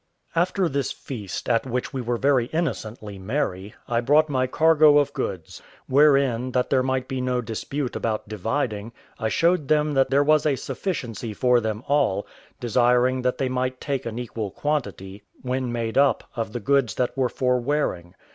After this feast, at which we were very innocently merry, I brought my cargo of goods; wherein, that there might be no dispute about dividing, I showed them that there was a sufficiency for them all, desiring that they might all take an equal quantity, when made up, of the goods that were for wearing.